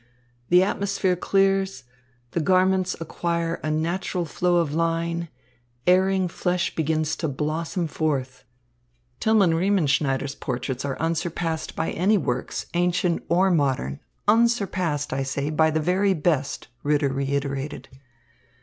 The atmosphere clears, the garments acquire a natural flow of line, erring flesh begins to blossom forth " "Tillman Riemenschneider's portraits are unsurpassed by any works, ancient or modern, unsurpassed, I say, by the very best," Ritter reiterated.